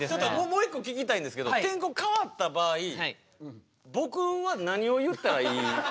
もう一個聞きたいんですけど天候かわった場合僕は何を言ったらいい？